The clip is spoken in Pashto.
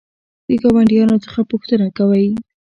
د ګاونډیانو څخه پوښتنه کوئ؟